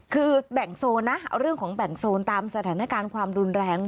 คือแบ่งโซนนะเอาเรื่องของแบ่งโซนตามสถานการณ์ความรุนแรง